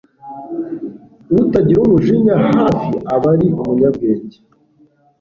utagira umujinya hafi aba ari umunyabwenge